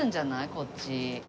こっち。